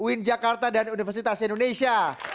uin jakarta dan universitas indonesia